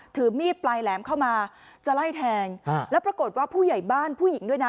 ถือมีดปลายแหลมเข้ามาจะไล่แทงแล้วปรากฏว่าผู้ใหญ่บ้านผู้หญิงด้วยนะ